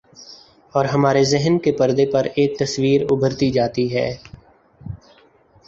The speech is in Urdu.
اورہمارے ذہن کے پردے پر ایک تصویر ابھرتی جاتی ہے۔